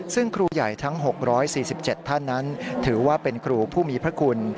ซึ่งครูใหญ่ทั้ง๖๔๗ท่านนั้นถือว่าเป็นครูผู้มีพระคุณ